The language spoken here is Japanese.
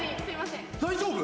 大丈夫？